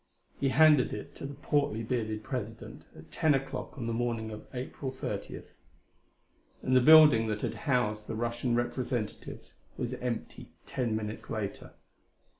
He handed it to the portly, bearded President at ten o'clock on the morning of April thirtieth. And the building that had housed the Russian representatives was empty ten minutes later.